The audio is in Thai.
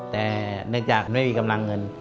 แต่เนื่องจากไม่มีกำลังเงิน